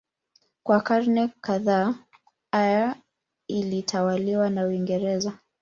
Kwa karne kadhaa Eire ilitawaliwa na Uingereza.